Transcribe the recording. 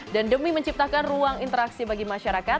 dan demi menciptakan ruang interaksi bagi masyarakat